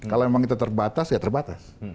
kalau memang kita terbatas ya terbatas